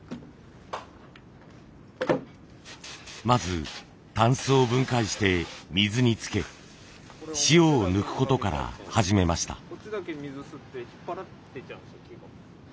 まず箪笥を分解して水につけ塩を抜くことから始めました。